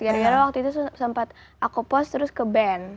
gara gara waktu itu sempat aku post terus ke band